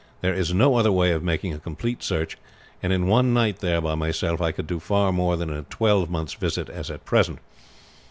There is no other way of making a complete search; and in one night there by myself I could do far more than in a twelvemonths' visits as at present.